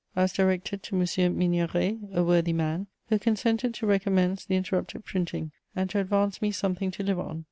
I was directed to M. Migneret, a worthy man, who consented to recommence the interrupted printing, and to advance me something to live on.